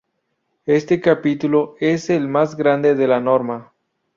Este capítulo es el más grande de la norma.